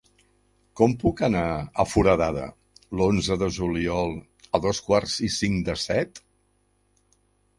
Com puc anar a Foradada l'onze de juliol a dos quarts i cinc de set?